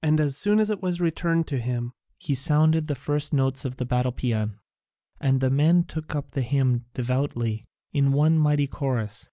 And as soon as it was returned to him, he sounded the first notes of the battle paean, and the men took up the hymn devoutly, in one mighty chorus.